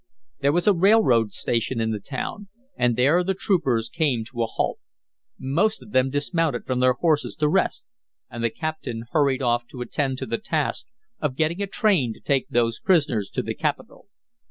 There was a railroad station in the town, and there the troopers came to a halt. Most of them dismounted from their horses to rest, and the captain hurried off to attend to the task of getting a train to take those prisoners to the capital.